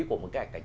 của một cái ảnh